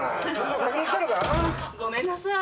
ごめんなさい。